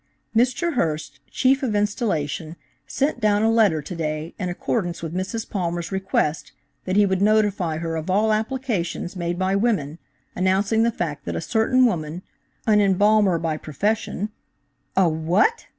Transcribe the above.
Mr Hirst, Chief of Installation, sent down a letter to day, in accordance with Mrs. Palmer's request that he would notify her of all applications made by women, announcing the fact that a certain woman, an embalmer by profession–" "A what?"